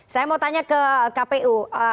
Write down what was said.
saya mau tanya ke kpu